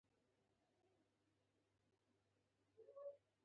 فکر په مخه کړ.